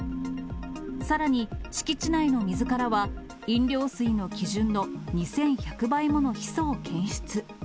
さらに、敷地内の水からは、飲料水の基準の２１００倍ものヒ素を検出。